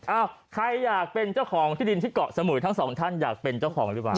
อ้าวใครอยากเป็นเจ้าของที่ดินที่เกาะสมุยทั้งสองท่านอยากเป็นเจ้าของหรือเปล่า